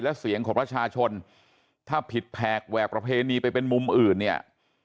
และเสียงของประชาชนถ้าผิดแผกแหวกประเพณีไปเป็นมุมอื่นเนี่ย